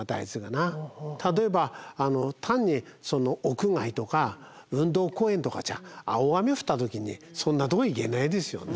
例えば単に屋外とか運動公園とかじゃ大雨降った時にそんなとこ行けないですよね。